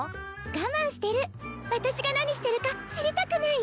我慢してる私が何してるか知りたくない？